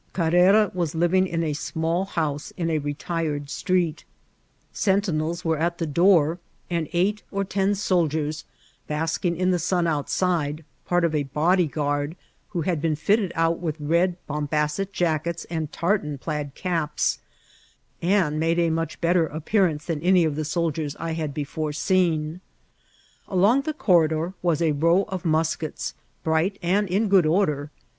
Carrera was living in a small house in a retired strec^t. MM INCIDBVTS Or.TRATBL. 43eiitineli were at the door^ and eight or ten aoldimt banlgng in the sun ontsidfl, part of a bodj goard, ^riio had been fitted out with red bcnnbaaet jackets and tar* ten plaid cape, and made a much better appearance ihan any of hia soldiers I had before seen. Along the corridor was a row of nuukets, bright and in good or der.